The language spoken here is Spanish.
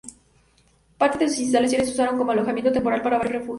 Parte de sus instalaciones se usaron como alojamiento temporal para varios refugiados.